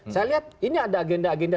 saya lihat ini ada agenda agenda